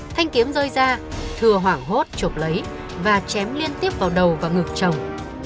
thanh kiếm rơi ra thừa hoảng hốt chụp lấy và chém liên tiếp vào đầu và ngực chồng